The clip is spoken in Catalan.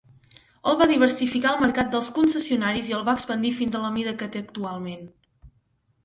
Holt va diversificar el mercat dels concessionaris i el va expandir fins a la mida que té actualment.